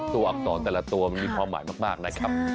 อักษรแต่ละตัวมันมีความหมายมากนะครับ